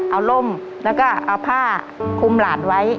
เอาร่มแล้วก็เอาผ้าคุมหลานไว้